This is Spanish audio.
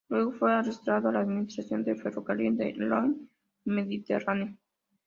Luego fue agregado a la administración del ferrocarril de Lyons al Mediterráneo.